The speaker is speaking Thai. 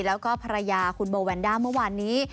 แล้วก็ภรรยาคุณโบแวนด้าเมื่อวานนี้